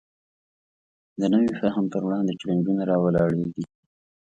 د نوي فهم پر وړاندې چلینجونه راولاړېږي.